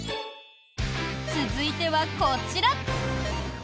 続いてはこちら。